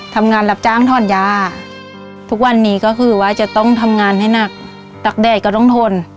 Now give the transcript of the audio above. ทำงานรับจ้างถอดยาทุกวันนี้ก็คือว่าจะต้องทำงานให้หนักตักแดดก็ต้องทน